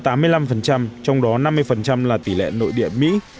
trong đó năm mươi lợi